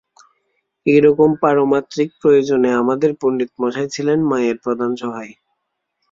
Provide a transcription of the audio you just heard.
এইরকম পারমার্থিক প্রয়োজনে আমাদের পণ্ডিতমশায় ছিলেন মায়ের প্রধান সহায়।